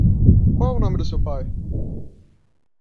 Qual é o nome do seu pai?